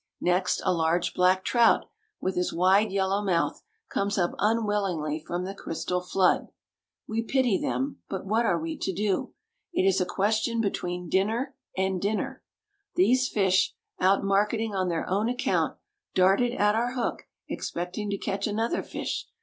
Next a large black trout, with his wide yellow mouth, comes up unwillingly from the crystal flood. We pity them; but what are we to do? It is a question between dinner and dinner. These fish, out marketing on their own account, darted at our hook, expecting to catch another fish.